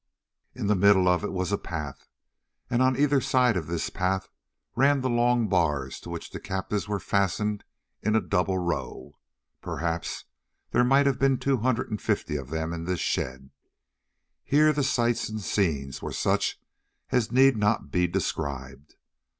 In the middle of it was a path, and on either side of this path ran the long bars to which the captives were fastened in a double row. Perhaps there might have been two hundred and fifty of them in this shed. Here the sights and scenes were such as need not be described.